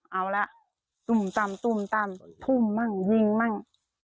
เอาแล้วตุ่มตำตุ่มตำทุ่มมั่งวิ่งมั่ง